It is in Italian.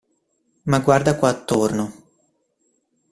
Ma guarda qua attorno.